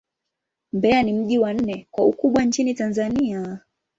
Mbeya ni mji wa nne kwa ukubwa nchini Tanzania.